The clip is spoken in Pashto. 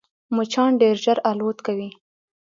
مچان ډېر ژر الوت کوي